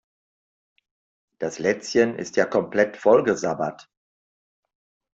Das Lätzchen ist ja komplett vollgesabbert.